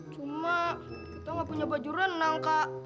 cuma kita nggak punya baju renang kak